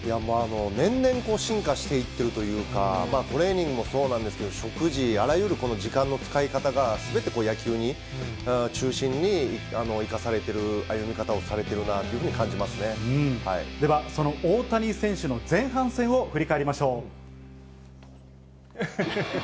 年々進化していってるというか、トレーニングもそうなんですけど、食事、あらゆる時間の使い方が、すべて野球中心に生かされてる歩み方をされているなというふうにではその大谷選手の前半戦を振り返りましょう。